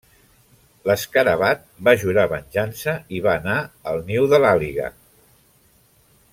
L'escarabat va jurar venjança i va anar al niu de l'àguila.